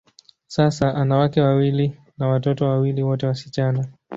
Sasa, ana wake wawili na watoto wawili, wote wasichana.